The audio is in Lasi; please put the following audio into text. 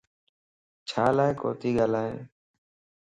چھيلا ڪوتي ڳالھائي؟